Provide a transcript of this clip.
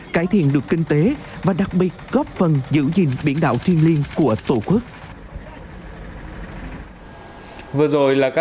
cải thiện được kinh tế và đặc biệt góp phần giữ gìn biển đảo thiên liên của tổ quốc